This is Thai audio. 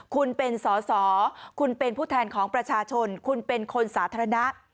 คุณเป็นสอสอคุณเป็นผู้แทนของประชาชนคุณเป็นคนสาธารณะ